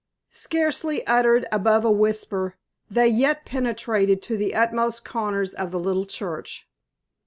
Scarcely uttered above a whisper, they yet penetrated to the utmost corners of the little church.